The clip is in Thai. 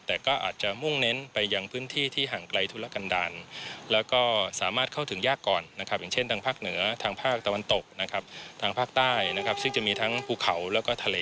แต่ก็อาจจะมุ่งเน้นไปยังพื้นที่ที่ห่างไกลทุรกันดาล